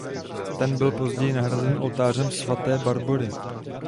Ten byl později nahrazen oltářem svaté Barbory.